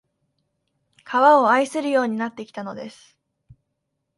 川を愛するようになってきたのです